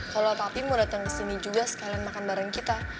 kalau papi mau datang kesini juga sekalian makan bareng kita